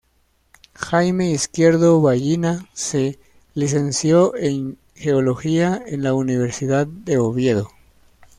Jaime Izquierdo Vallina se licenció en Geología en la Universidad de Oviedo.